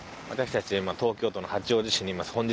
私たちは今東京都の八王子市にいます。